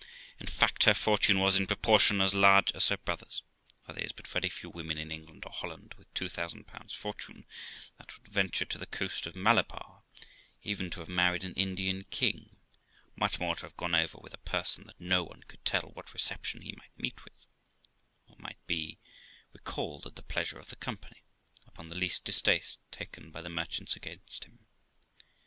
In fact, her fortune was, in proportion, as large as her brother's, for there is but very few women in England or Holland with 2000 fortune that would venture to the coast of Malabar, even to have married an Indian king, much more to have gone over with a person that no one could tell what reception he might meet with, or might be recalled at the pleasure of the Company upon the least distaste taken by the merchants against him.